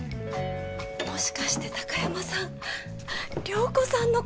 もしかして貴山さん涼子さんのこと。